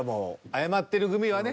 謝ってる組はね。